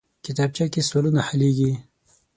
کتابچه کې سوالونه حلېږي